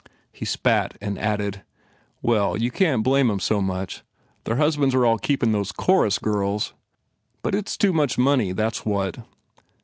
..." He spat and added, "Well, you can t blame em so much. Their husban s are all keepin these chorus girls. But it s too much money, that s what.